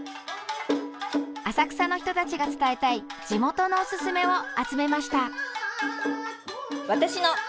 浅草の人たちが伝えたい地元のおすすめを集めました。